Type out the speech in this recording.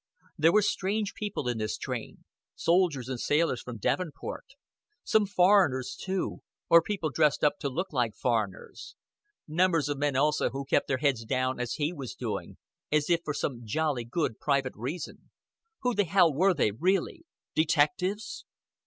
There were strange people in this train soldiers and sailors from Devonport; some foreigners too, or people dressed up to look like foreigners; numbers of men also who kept their heads down as he was doing, as if for some jolly good private reason. Who the hell were they really? Detectives?